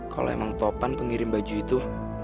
kalau emang topan pengirim baju itu